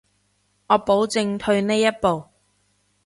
我保證退呢一步